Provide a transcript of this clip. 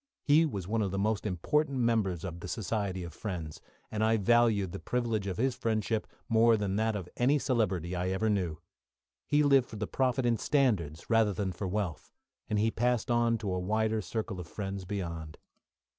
He was one of the most important members of the Society of Friends, and I valued the privilege of his friendship more than that of any celebrity I ever knew. He lived for the profit in standards rather than for wealth, and he passed on to a wider circle of friends beyond.